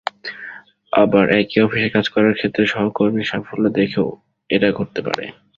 আবার একই অফিসে কাজ করার ক্ষেত্রে সহকর্মীর সাফল্য দেখেও এটা ঘটতে পারে।